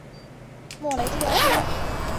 莫雷特。